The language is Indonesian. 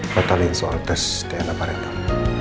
batalkan soal tes dna parental